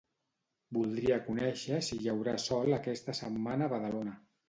Voldria conèixer si hi haurà sol aquesta setmana a Badalona.